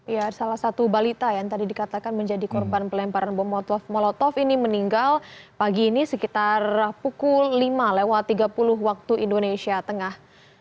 ya salah satu balita yang tadi dikatakan menjadi korban pelemparan bom molotov ini meninggal pagi ini sekitar pukul lima lewat tiga puluh waktu indonesia tengah